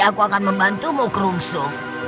aku akan membantumu krungsu